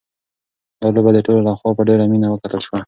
دا لوبه د ټولو لخوا په ډېره مینه وکتل شوه.